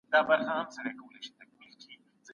ټکنالوژي د ژبو زده کړه زموږ د ژوند یوه برخه ګرځولي ده.